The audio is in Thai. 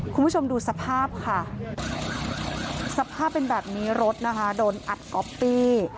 คุณผู้ชมดูสภาพค่ะสภาพเป็นแบบนี้รถนะคะโดนอัดก๊อปปี้